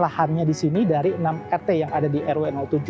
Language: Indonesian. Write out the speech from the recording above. lahannya di sini dari enam rt yang ada di rw tujuh